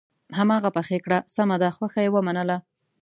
هماغه پخې کړه سمه ده خوښه یې ومنله.